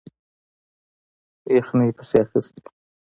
یخنۍ پسې اخیستی وو.